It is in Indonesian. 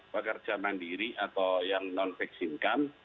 pekerja mandiri atau yang non vaksinkan